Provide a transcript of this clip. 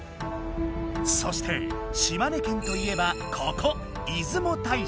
そして島根県といえばここ出雲大社。